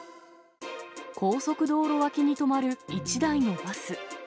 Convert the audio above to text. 高速道路脇に止まる１台のバス。